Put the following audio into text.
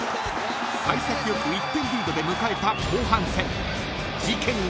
［幸先良く１点リードで迎えた］